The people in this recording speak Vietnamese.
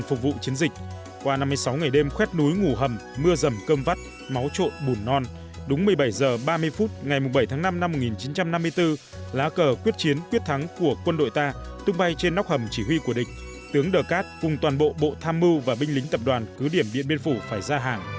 ba mươi phút ngày mùng bảy tháng năm năm một nghìn chín trăm năm mươi bốn lá cờ quyết chiến quyết thắng của quân đội ta tung bay trên nóc hầm chỉ huy của địch tướng đờ cát cùng toàn bộ bộ tham mưu và binh lính tập đoàn cứ điểm điện biên phủ phải ra hàng